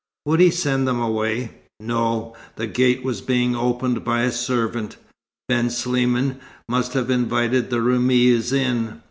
Would he send them away? No, the gate was being opened by a servant. Ben Sliman must have invited the Roumis in.